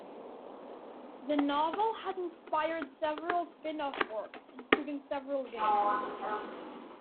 The novel has inspired several spin-off works, including several games.